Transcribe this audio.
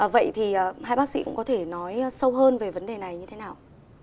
vậy thì hai bác sĩ cũng có thể nói sâu hơn về vấn đề này như thế nào